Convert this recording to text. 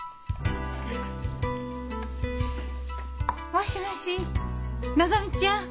もしもしのぞみちゃん？